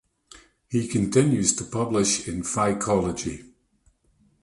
He continues to publish in phycology.